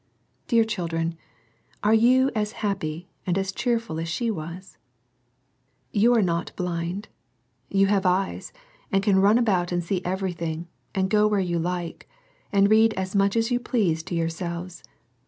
Dear children, are you as happy and as cheerful as she was? You are not blind : you have eyes, and can run about and see ever3rthing, and go where you like, and read as much as you please to yourselves.